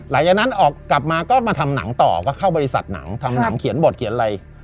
หลังจากนั้นออกกลับมาก็มาทำหนังต่อก็เข้าบริษัทหนังทำหนังเขียนบทเขียนอะไร